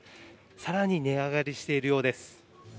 更に値上がりしているようです。